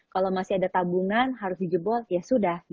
kalau masih ada tabungan harus di jebol ya sudah